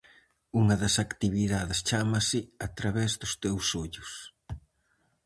Unha das actividades chámase "a través dos teus ollos".